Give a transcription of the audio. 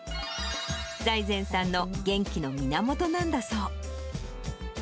財前さんの元気の源なんだそう。